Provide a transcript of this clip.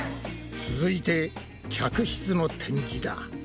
続いて客室の展示だ。